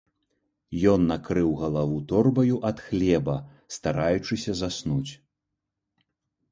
Ён накрыў галаву торбаю ад хлеба, стараючыся заснуць.